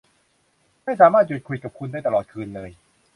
ไม่สามารถหยุดคุยกับคุณได้ตลอดคืนเลย